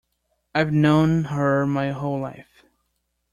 I've known her my whole life.